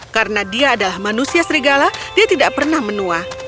karena dia adalah manusia serigala dia tidak pernah menua